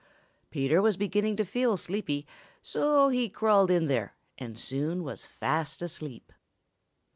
Peter was beginning to feel sleepy, so he crawled in there and soon was fast asleep.